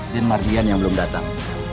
din mardian yang belum datang